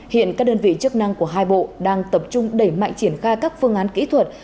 hiện các đơn vị chức năng của hai bộ đang tập trung đẩy mạnh triển khai các phương án kỹ thuật